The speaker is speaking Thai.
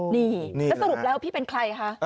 นี่แล้วสรุปแล้วพี่เป็นใครคะ